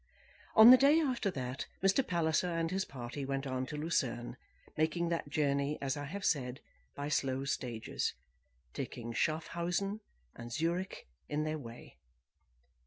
On the day after that, Mr. Palliser and his party went on to Lucerne, making that journey, as I have said, by slow stages; taking Schaffhausen and Zurich in their way.